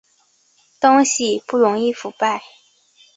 东西不容易腐败